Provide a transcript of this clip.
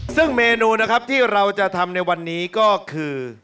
ซึ่งเมนูนะครับที่เราจะทำในวันนี้ก็คือ